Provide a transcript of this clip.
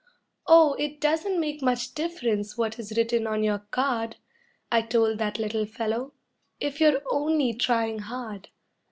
"Oh, it doesn't make much difference what is written on your card," I told that little fellow, "if you're only trying hard.